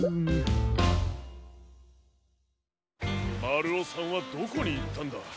まるおさんはどこにいったんだ？